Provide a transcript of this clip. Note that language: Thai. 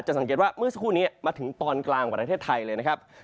สังเกตว่าเมื่อสักครู่นี้มาถึงตอนกลางประเทศไทยเลยนะครับ